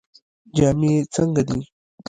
جامې یې څنګه دي؟